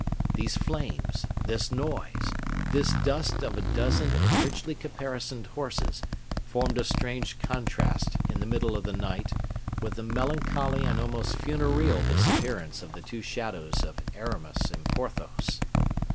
These flames, this noise, this dust of a dozen richly caparisoned horses, formed a strange contrast in the middle of the night with the melancholy and almost funereal disappearance of the two shadows of Aramis and Porthos.